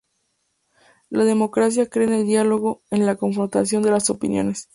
La democracia cree en el diálogo, en la confrontación de las opiniones.